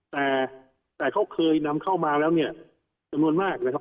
แต่แต่เขาเคยนำเข้ามาแล้วเนี่ยจำนวนมากนะครับ